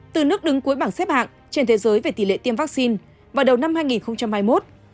từ nước đứng cuối bảng xếp hạng trên thế giới về tỷ lệ tiêm vaccine vào đầu năm hai nghìn hai mươi một